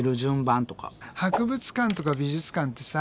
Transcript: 博物館とか美術館ってさ